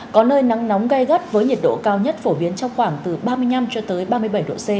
có nơi nắng nóng gai gắt với nhiệt độ cao nhất phổ biến trong khoảng từ ba mươi năm cho tới ba mươi bảy độ c